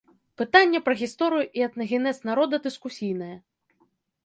Пытанне пра гісторыю і этнагенез народа дыскусійнае.